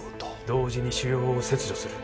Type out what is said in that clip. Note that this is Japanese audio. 同時に腫瘍を切除する。